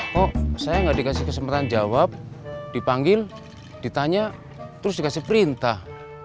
kok saya nggak dikasih kesempatan jawab dipanggil ditanya terus dikasih perintah